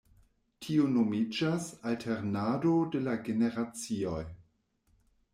Tiu nomiĝas alternado de la generacioj.